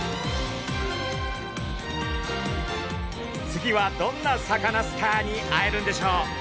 次はどんなサカナスターに会えるんでしょう？